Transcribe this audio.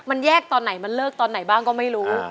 มันแยกตอนไหนมันเลิกตอนไหนบ้างก็ไม่รู้